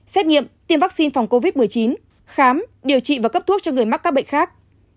xét nghiệm tiêm vaccine phòng covid một mươi chín khám điều trị và cấp thuốc cho người mắc các bệnh khác